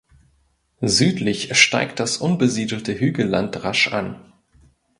Südlich steigt das unbesiedelte Hügelland rasch an.